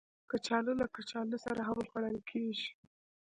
کچالو له کچالو سره هم خوړل کېږي